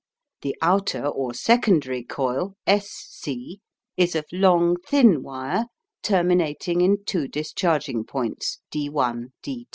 The outer or secondary coil S C is of long thin wire terminating in two discharging points D1 D2.